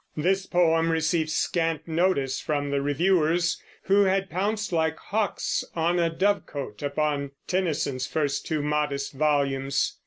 This poem received scant notice from the reviewers, who had pounced like hawks on a dovecote upon Tennyson's first two modest volumes.